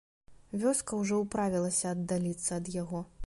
Вёска ўжо ўправілася аддаліцца ад яго.